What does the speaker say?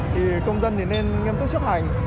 thì công dân thì nên nghiêm túc chấp hành